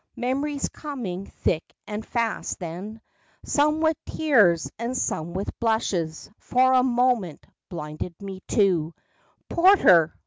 Memories coming thick and fast then— Some with tears and some with blushes— For a moment blinded me, too. Porter!